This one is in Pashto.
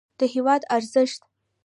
د هېواد ارزښت